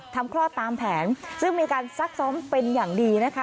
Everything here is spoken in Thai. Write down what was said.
คลอดตามแผนซึ่งมีการซักซ้อมเป็นอย่างดีนะคะ